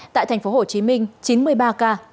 tại thành phố hồ chí minh chín mươi ba ca